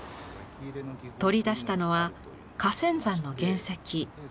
取り出したのは花仙山の原石。